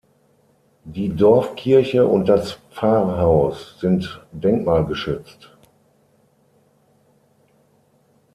Die Dorfkirche und das Pfarrhaus sind denkmalgeschützt.